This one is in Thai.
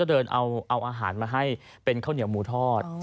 เดินเอาอาหารมาให้เป็นข้าวเหนียวหมูทอด